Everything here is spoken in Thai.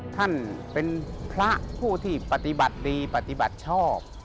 ท่านเป็นพระผู้ที่ปฏิบัติดีปฏิบัติชอบ